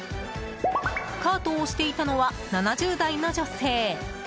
カートを押していたのは７０代の女性。